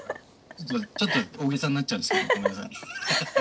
ちょっと大げさになっちゃうんですけどごめんなさい。